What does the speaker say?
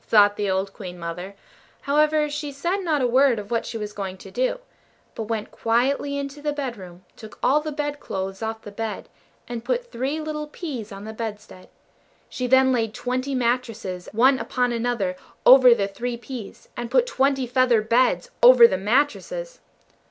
thought the old Queen mother; however, she said not a word of what she was going to do; but went quietly into the bedroom, took all the bed clothes off the bed, and put three little peas on the bedstead. She then laid twenty mattresses one upon another over the three peas, and put twenty feather beds over the mattresses.